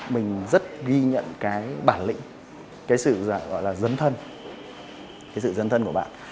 mình rất ghi nhận cái bản lĩnh cái sự gọi là dấn thân cái sự dân thân của bạn